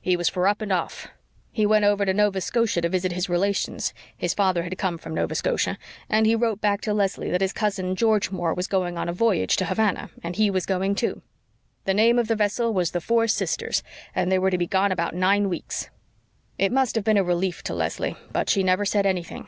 He was for up and off. He went over to Nova Scotia to visit his relations his father had come from Nova Scotia and he wrote back to Leslie that his cousin, George Moore, was going on a voyage to Havana and he was going too. The name of the vessel was the Four Sisters and they were to be gone about nine weeks. "It must have been a relief to Leslie. But she never said anything.